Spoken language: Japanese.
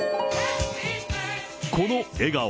この笑顔。